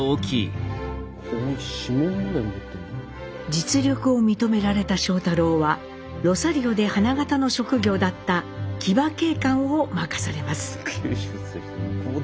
実力を認められた庄太郎はロサリオで花形の職業だった「騎馬警官」を任されます。